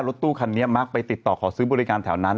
รถตู้คันนี้มักไปติดต่อขอซื้อบริการแถวนั้น